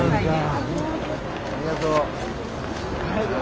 ありがとう。